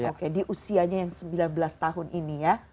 oke di usianya yang sembilan belas tahun ini ya